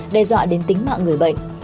đe dọa đến tính mạng người bệnh